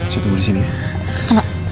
saya tunggu disini ya